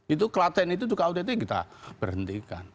itu klaten itu juga ott kita berhentikan